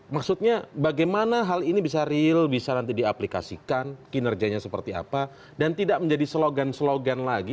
maksudnya bagaimana hal ini bisa real bisa nanti diaplikasikan kinerjanya seperti apa dan tidak menjadi slogan slogan lagi